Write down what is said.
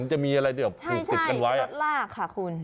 ใช่รถลากค่ะคุณ